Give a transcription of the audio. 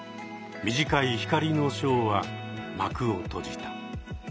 短い光のショーは幕を閉じた。